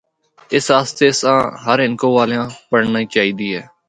اس آسطے اس آں ہر ہندکو والے آں پڑھنا چاہی دا اے۔